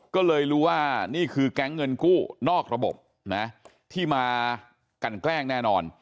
ก็เลยรู้ว่านี่คือแก๊งเงินกู้นอกระบบนะที่มากันแกล้งแน่นอน